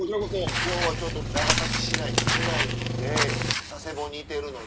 今日は長崎市内にいないので佐世保にいてるので。